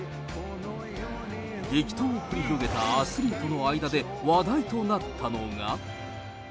激闘を繰り広げたアスリートの間で話題となったのが。